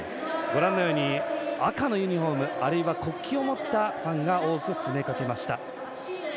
赤のユニフォームあるいは国旗を持ったファンが多く詰めかけました。